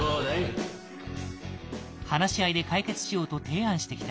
話し合いで解決しようと提案してきた。